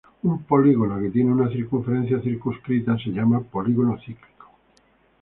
Un polígono que tiene una circunferencia circunscrita se llama polígono cíclico.